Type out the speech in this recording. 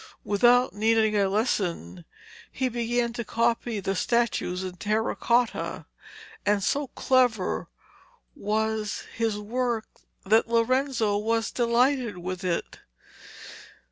Without needing a lesson he began to copy the statues in terra cotta, and so clever was his work that Lorenzo was delighted with it.